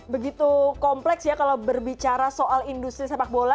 begitu kompleks ya kalau berbicara soal industri sepak bola